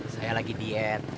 saya lagi diet